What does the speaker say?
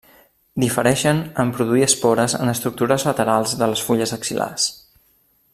Difereixen en produir espores en estructures laterals de les fulles axil·lars.